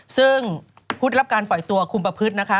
ซึ่งผู้ได้รับการปล่อยตัวคุมประพฤตินะคะ